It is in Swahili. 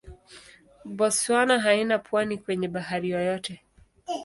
Botswana haina pwani kwenye bahari yoyote.